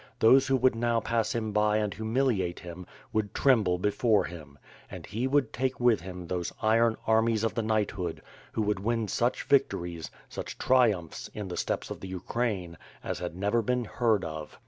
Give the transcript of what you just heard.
Those who would mow pass him by and humiliate him, would tremble before him. And he would take with him these iron armies of the knighthood, who would win such victories, such tri umphs, in the steppes of the Ukraine, as had never been heard of.